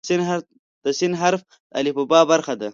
د "س" حرف د الفبا برخه ده.